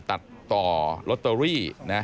ตัดต่อลอตเตอรี่นะ